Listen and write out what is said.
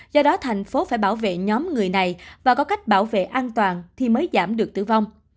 do đó thành phố phải bảo vệ nhóm người này và có cách bảo vệ an toàn thì mới giảm được tử vong